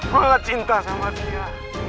gue cinta sama dia